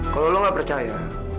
kalau lu gak percaya